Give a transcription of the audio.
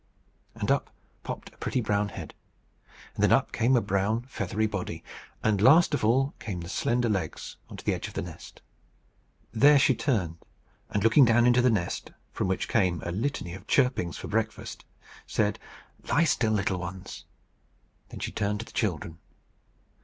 And up popped a pretty brown head; and then up came a brown feathery body; and last of all came the slender legs on to the edge of the nest. There she turned, and, looking down into the nest, from which came a whole litany of chirpings for breakfast, said, "Lie still, little ones." Then she turned to the children.